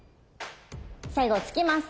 最後突きます。